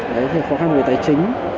đấy thì khó khăn về tài chính